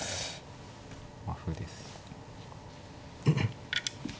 まあ歩です。